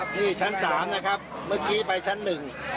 ที่ชั้น๓นะครับเมื่อกี้ไปชั้นหนึ่ง